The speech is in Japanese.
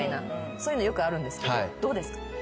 そういうのよくあるんですけどどうですか？